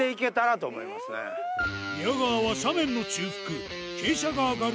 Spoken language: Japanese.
宮川は斜面の中腹、見て。